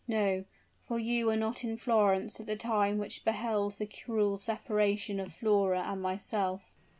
No for you were not in Florence at the time which beheld the cruel separation of Flora and myself!"